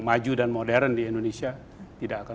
maju dan modern di indonesia tidak akan